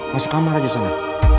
masuk kamar aja sana